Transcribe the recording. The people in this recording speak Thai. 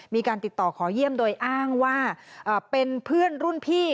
มีการติดต่อขอเยี่ยมโดยอ้างว่าเป็นเพื่อนรุ่นพี่